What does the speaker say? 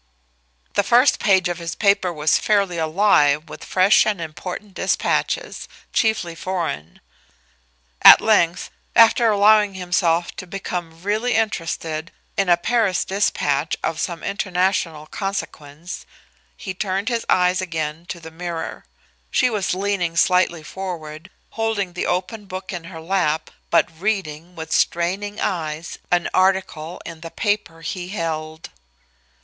The first page of his paper was fairly alive with fresh and important dispatches, chiefly foreign. At length, after allowing himself to become really interested in a Paris dispatch of some international consequence, he turned his eyes again to the mirror. She was leaning slightly forward, holding the open book in her lap, but reading, with straining eyes, an article in the paper he held.